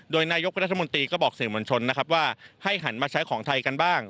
โดยนายกรัฐมนตรีก็บอกสื่อมวลชนนะครับว่าให้หันมาใช้ของไทยกันบ้าง